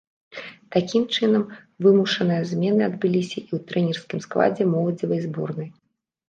Такім чынам, вымушаныя змены адбыліся і ў трэнерскім складзе моладзевай зборнай.